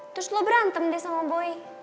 terus lo berantem deh sama boy